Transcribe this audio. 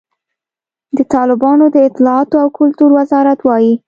د طالبانو د اطلاعاتو او کلتور وزارت وایي،